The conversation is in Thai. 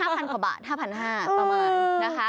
๕๐๐๐บาทประมาณ๕๕๐๐บาท